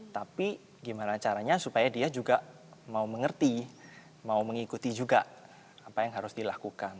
tapi gimana caranya supaya dia juga mau mengerti mau mengikuti juga apa yang harus dilakukan